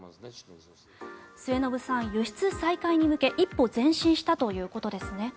末延さん、輸出再開に向け一歩前進したということですね。